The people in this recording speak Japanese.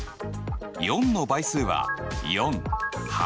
４の倍数は４８。